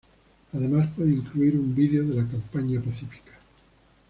Además, puede incluir un vídeo de la campaña pacífica.